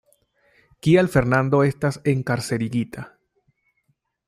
Kial Fernando estas enkarcerigita?